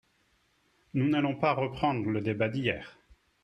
Nous n’allons pas reprendre le débat d’hier.